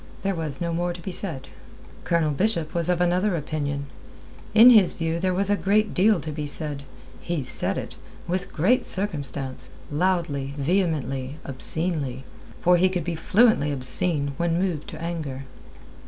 There was no more to be said. Colonel Bishop was of another opinion. In his view there was a great deal to be said. He said it, with great circumstance, loudly, vehemently, obscenely for he could be fluently obscene when moved to anger.